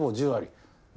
１０割だ。